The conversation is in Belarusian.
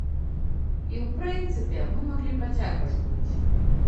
І, у прынцыпе, мы маглі працягваць плыць.